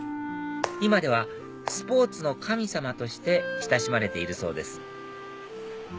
今ではスポーツの神様として親しまれているそうです